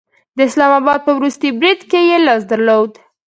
د اسلام آباد په وروستي برید کې یې لاس درلود